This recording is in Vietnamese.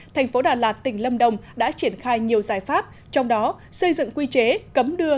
thành phố đà lạt tỉnh lâm đồng đã triển khai nhiều giải pháp trong đó xây dựng quy chế cấm đưa